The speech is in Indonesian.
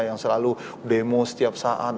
yang selalu demo setiap saat